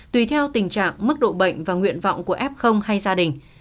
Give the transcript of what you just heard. tùy theo tình trạng mức độ bệnh và nguyện vọng của f hay gia đình